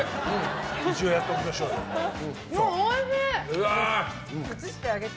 おいしい！